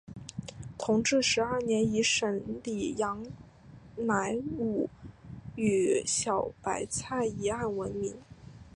同治十二年以审理杨乃武与小白菜一案闻名。